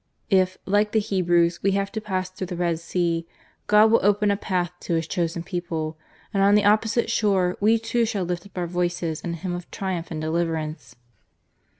If, like the Hebrews, we have to pass through the Red Sea, God will open a path to His chosen people and on the opposite shore we too shall lift up our voices in a hymn of triumph and deliverance."